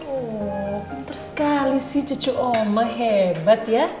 oh pintar sekali sih cucu omah hebat ya